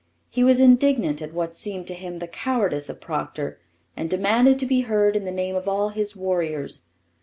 He was indignant at what seemed to him the cowardice of Procter, and demanded to be heard in the name of all his warriors.